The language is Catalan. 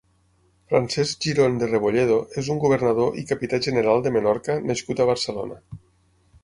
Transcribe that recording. Francesc Girón de Rebolledo és un governador i capità general de Menorca nascut a Barcelona.